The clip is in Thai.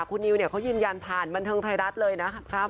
คุณนิวเนี่ยเขายืนยันผ่านบันเทิงไทยรัฐเลยนะครับ